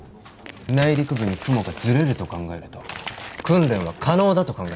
内陸部に雲がずれると考えると訓練は可能だと考えます。